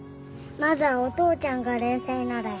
まずはお父ちゃんが冷静になれ！